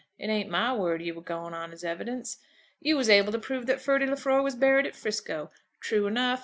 It ain't my word you were going on as evidence. You is able to prove that Ferdy Lefroy was buried at 'Frisco. True enough.